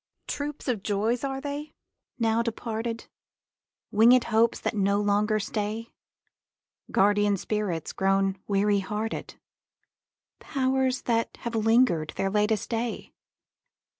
Troops of joys are they, now departed? Winged hopes that no longer stay? Guardian spirits grown weary hearted? Powers that have linger'd their latest day?